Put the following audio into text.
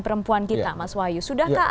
perempuan kita mas wahyu sudahkah